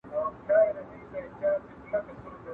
¬ څوک مه وهه په گوته، چي تا و نه ولي په لوټه.